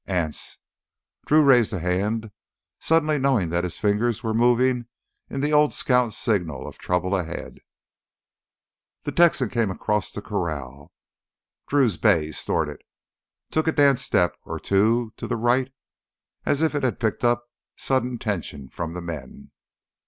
"Anse!" Drew raised a hand, suddenly knowing that his fingers were moving in the old scout signal of trouble ahead. The Texan came across the corral. Drew's bay snorted, took a dance step or two to the right as if it had picked up sudden tension from the men.